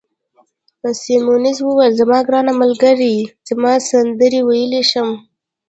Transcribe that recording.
سیمونز وویل: زما ګرانه ملګرې، زه سندرې ویلای شم.